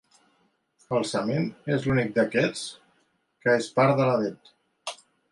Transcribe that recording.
El cement és l'únic d'aquests que és part de la dent.